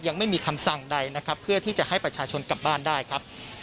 ยังไม่มีคำสั่งใดนะครับเพื่อที่จะให้ประชาชนกลับบ้านได้ครับ